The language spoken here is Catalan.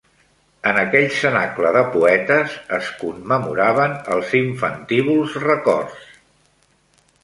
En aquell cenacle de poetes es commemoraven els infantívols records.